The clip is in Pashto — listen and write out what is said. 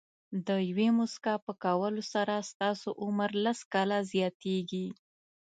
د یوې موسکا په کولو سره ستاسو عمر لس کاله زیاتېږي.